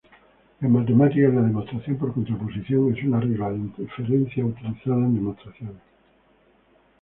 En matemáticas, la demostración por contraposición es una regla de inferencia utilizada en demostraciones.